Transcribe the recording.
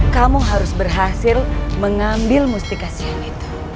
kamu harus berhasil mengambil musik ke sion itu